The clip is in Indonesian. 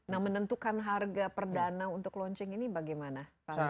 nah menentukan harga perdana untuk launching ini bagaimana pak